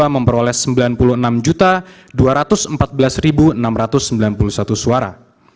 memperoleh sembilan puluh enam dua ratus empat belas enam ratus sembilan puluh satu suara